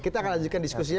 kita akan lanjutkan diskusinya